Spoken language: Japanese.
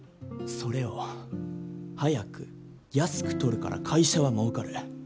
それを速く安く撮るから会社はもうかる。